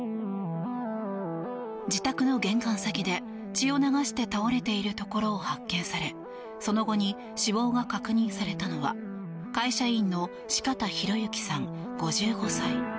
自宅の玄関先で血を流して倒れているところを発見されその後に死亡が確認されたのは会社員の四方洋行さん、５５歳。